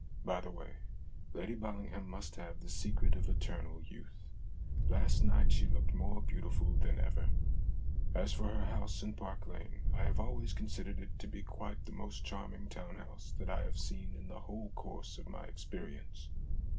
By the way, Lady Ballingham must have the secret of eternal youth; last night she looked more beautiful than ever. As for her house in Park Lane, I have always considered it to be quite the most charming town house that I have seen in the whole course of my experience.